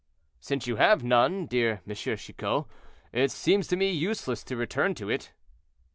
"Since you have none, dear M. Chicot, it seems to me useless to return to it."